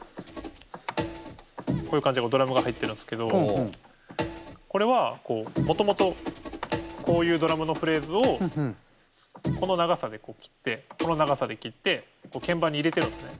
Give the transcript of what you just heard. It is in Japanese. こういう感じでドラムが入ってるんですけどこれはもともとこういうドラムのフレーズをこの長さで切ってこの長さで切って鍵盤に入れてるんですね。